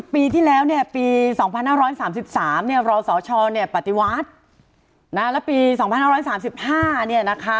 ๓๐ปีที่แล้วเนี่ยปี๒๕๓๓เราสอชรปฏิวัติแล้วปี๒๕๓๕เนี่ยนะคะ